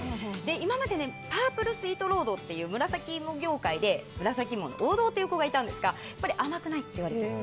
今までパープルスイートロードという紫芋業界で紫芋の王道の子がいたんですが甘くないといわれていた。